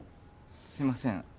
すいません